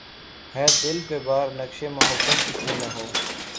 ہے دل پہ بار‘ نقشِ محبت ہی کیوں نہ ہو